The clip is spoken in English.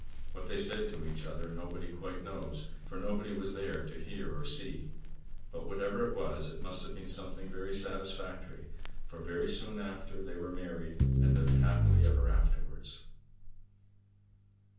What they said to each other nobody quite knows, for nobody was there to hear or see. But whatever it was, it must have been something very satisfactory; for very soon after they were married, and lived happily ever afterwards.